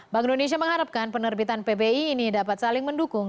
bank indonesia mengharapkan penerbitan pbi ini dapat saling mendukung